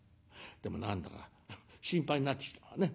でも何だか心配になってきたわね。